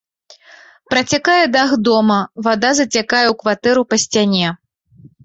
Працякае дах дома, вада зацякае ў кватэру па сцяне.